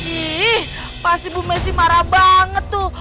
ih pasti bu messi marah banget tuh